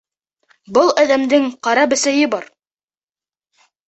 — Был әҙәмдең ҡара бесәйе бар.